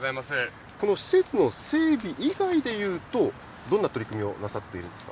この施設の整備以外でいうと、どんな取り組みをなさっているんですか。